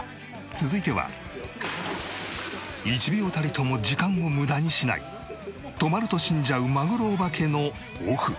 続いては１秒たりとも時間を無駄にしない止まると死んじゃうマグロオバケのオフ。